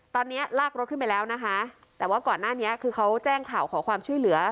ตอนนี้ลากรถขึ้นไปแล้วนะคะแต่ว่าก่อนหน้านี้คือเขาแจ้งข่าวขอความช่วยเหลือ